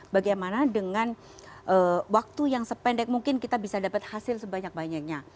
bagaimana dengan waktu yang sependek mungkin kita bisa dapat hasil sebanyak banyaknya